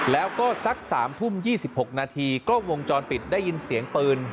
แล้วก็สัก๓ทุ่ม๒๖นาทีกล้องวงจรปิดได้ยินเสียงปืน